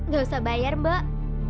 gak usah bayar mbok